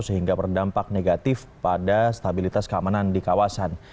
sehingga berdampak negatif pada stabilitas keamanan di kawasan